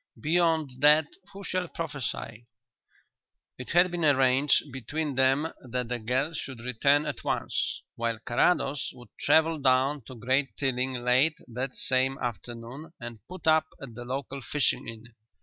"Beyond that who shall prophesy?" It had been arranged between them that the girl should return at once, while Carrados would travel down to Great Tilling late that same afternoon and put up at the local fishing inn.